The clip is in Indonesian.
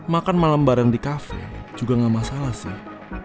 makan malam bareng di kafe juga gak masalah sih